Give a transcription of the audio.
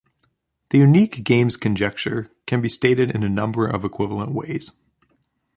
The unique games conjecture can be stated in a number of equivalent ways.